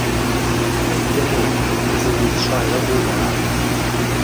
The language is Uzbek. — Aytganday, qizingiz shoira bo‘ldi-a?